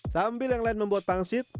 sambil yang lain membuat pangsit